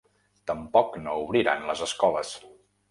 Tampoc no obriran les escoles.